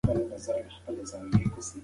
هغه په ډېر مهارت سره د موټر ټایر تبدیل کړ.